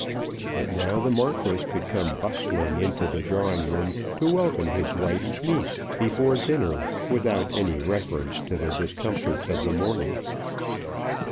But now the Marquis could come bustling into the drawing room to welcome his wife's niece before dinner without any reference to the discomforts of the morning.